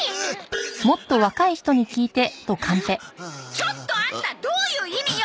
ちょっとアンタどういう意味よ！